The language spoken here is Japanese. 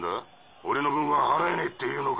俺の分は払えねぇって言うのか？